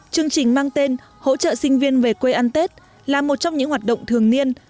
chương trình mang tên hỗ trợ sinh viên về quê ăn tết là một trong những hoạt động thường niên